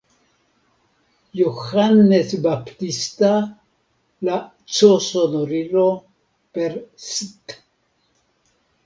Johannes Baptista“, la c-sonorilo per „St.